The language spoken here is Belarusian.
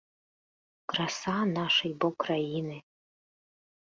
Краса нашай бо краіны!